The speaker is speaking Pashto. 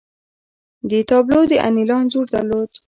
دې تابلو د انیلا انځور درلود